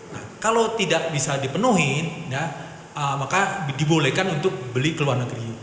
nah kalau tidak bisa dipenuhi maka dibolehkan untuk beli ke luar negeri